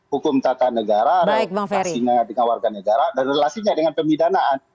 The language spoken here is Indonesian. hukum tata negara reklamasinya dengan warga negara dan relasinya dengan pemidanaan